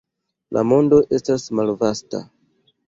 La mondo estas malvasta.